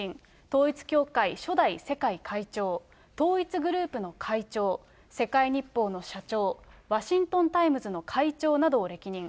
統一教会初代世界会長、統一グループの会長、世界日報の社長、ワシントン・タイムズの会長などを歴任。